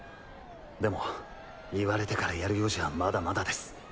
でも言われてからやるようじゃまだまだです。